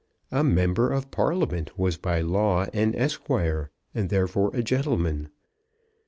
A member of Parliament was by law an esquire, and therefore a gentleman.